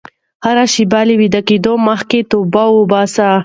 هره شپه له ویده کېدو مخکې توبه وباسئ.